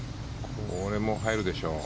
これはもう入るでしょう。